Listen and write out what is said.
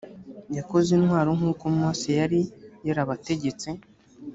yakoze intwaro nk uko mose yari yarabategetse